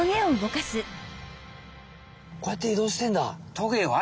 こうやっていどうしてんだ。